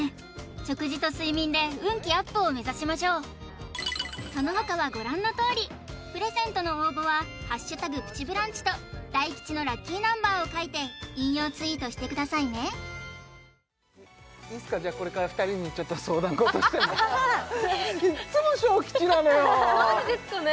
食事と睡眠で運気アップを目指しましょうそのほかはご覧のとおりプレゼントの応募は「＃プチブランチ」と大吉のラッキーナンバーを書いて引用ツイートしてくださいねいいっすかじゃあこれから２人にちょっと相談事してもいっつも小吉なのよ何でですかね？